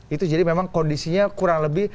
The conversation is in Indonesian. itu jadi memang kondisinya kurang lebih